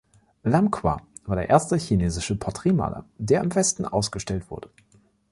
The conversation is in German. Lam Qua war der erste chinesische Portraitmaler, der im Westen ausgestellt wurde.